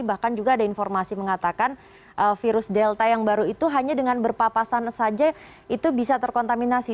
bahkan juga ada informasi mengatakan virus delta yang baru itu hanya dengan berpapasan saja itu bisa terkontaminasi